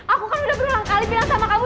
aku kan udah berulang kali bilang sama kamu